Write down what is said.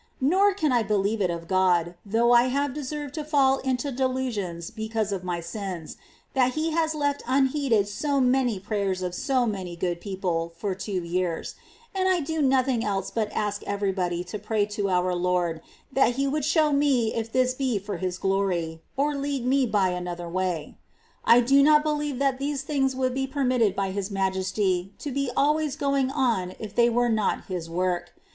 Nor can I believe it of God, though I have deserved to fall into delusions because of my sins, that He has left unheeded so many prayers of so many good people for two years, and I do nothing else but ask every body to pray to our Lord that He would show me if this be for His glory, or lead me by another way.^ I do not believe that these things would have been permitted by His Majesty to be always going on if they were not His work.